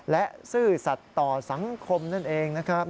และซื่อสัตว์ต่อสังคมนั่นเองนะครับ